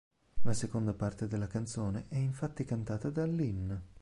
La seconda parte della canzone è infatti cantata da Lynn.